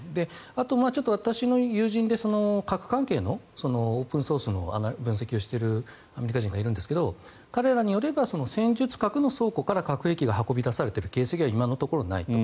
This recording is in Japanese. あと、私の友人で核関係のオープンソースの分析をしているアメリカ人がいるんですが彼らによれば戦術核の倉庫から核兵器が運び出されている形跡は今のところないと。